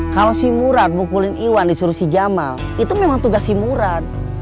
kalau si murat mukulin iwan disuruh si jamal itu memang tugas si murat